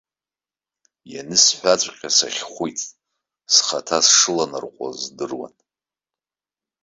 Ианысҳәаҵәҟьа сахьхәит, схаҭа сшыланарҟәуаз здыруан.